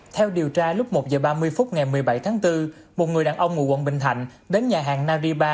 theo điều tra lúc một giờ ba mươi phút ngày một mươi bảy tháng bốn một người đàn ông ngủ quận bình thạnh đến nhà hàng naripa